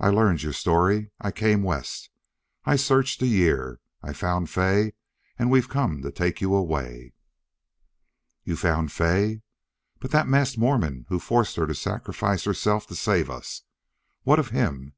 I learned your story. I came west. I've searched a year. I found Fay. And we've come to take you away." "You found Fay? But that masked Mormon who forced her to sacrifice herself to save us!... What of him?